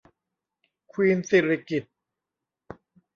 ควีนสิริกิติ์